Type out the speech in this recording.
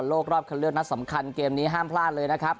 รอบคันเลือกนัดสำคัญเกมนี้ห้ามพลาดเลยนะครับ